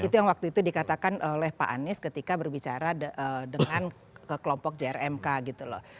itu yang waktu itu dikatakan oleh pak anies ketika berbicara dengan kelompok jrmk gitu loh